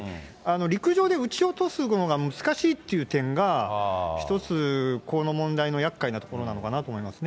陸上で撃ち落とすことが難しいっていう点が一つ、この問題のやっかいなところなのかなと思いますね。